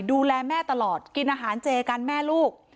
ดูแลแม่ตลอดกินอาหารเจกันแม่ลูก